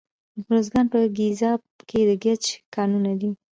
د ارزګان په ګیزاب کې د ګچ کانونه دي.